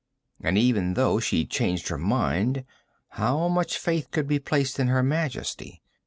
And even though she'd changed her mind, how much faith could be placed in Her Majesty?